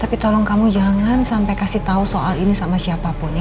tapi tolong kamu jangan sampai kasih tahu soal ini sama siapapun ya